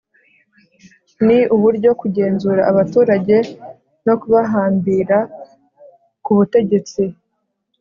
Ni uburyo kugenzura abaturage no kubahambira ku butegetsi